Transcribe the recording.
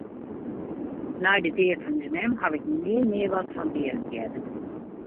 Nei de dea fan ús mem haw ik nea mear wat fan Berend heard.